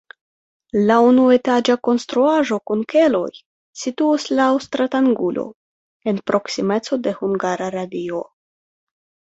La unuetaĝa konstruaĵo kun keloj situas laŭ stratangulo en proksimeco de Hungara Radio.